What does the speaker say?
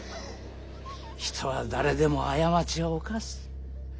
人は誰でも過ちを犯す。